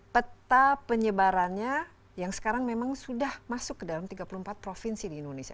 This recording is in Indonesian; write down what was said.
peta penyebarannya yang sekarang memang sudah masuk ke dalam tiga puluh empat provinsi di indonesia